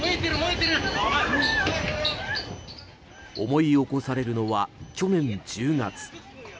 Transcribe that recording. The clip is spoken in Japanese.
思い起こされるのは去年１０月。